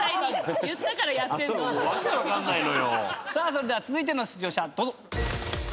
それでは続いての出場者どうぞ。